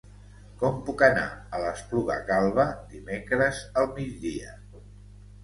Com puc anar a l'Espluga Calba dimecres al migdia?